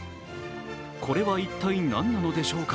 これは一体、何なのでしょうか？